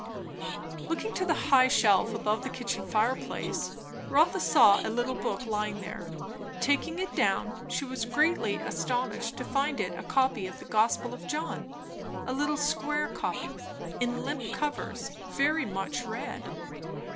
Looking to the high shelf above the kitchen fireplace, Rotha saw a little book lying there. Taking it down, she was greatly astonished to find it a copy of the gospel of John, a little square copy, in limp covers, very much read.